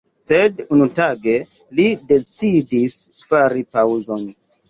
Sed unutage, ri decidis fari paŭzon.